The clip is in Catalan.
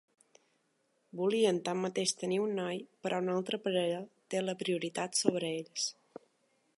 Volien tanmateix tenir un noi, però una altra parella té la prioritat sobre ells.